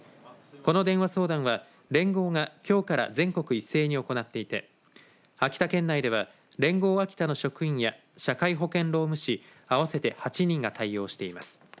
この電話相談は連合がきょうから全国一斉に行っていて秋田県内では連合秋田の職員や社会保険労務士合わせて８人が対応しています。